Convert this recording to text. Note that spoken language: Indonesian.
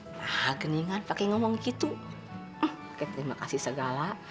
eh nah geningan pakai ngomong gitu pakai terima kasih segala